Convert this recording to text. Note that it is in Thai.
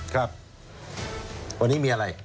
ครับวันนี้มีอะไร